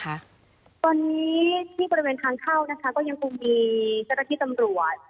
ครับตอนนี้ที่บริเวณทางเข้าก็ยังมีเศรษฐีตำรวจ